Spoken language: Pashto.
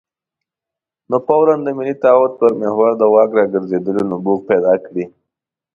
نو فوراً د ملي تعهد پر محور د واک راګرځېدلو نبوغ پیدا کړي.